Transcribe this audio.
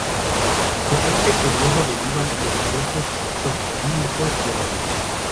De este periodo derivan los diversos toponímicos de la villa.